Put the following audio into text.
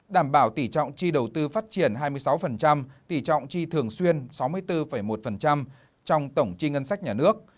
đảm bảo tỷ trọng chi đầu tư phát triển hai mươi sáu tỷ trọng chi thường xuyên sáu mươi bốn một trong tổng chi ngân sách nhà nước